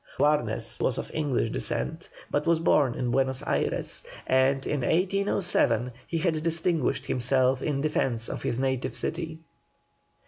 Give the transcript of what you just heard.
Warnes was of English descent, but was born in Buenos Ayres, and in 1807 had distinguished himself in defence of his native city.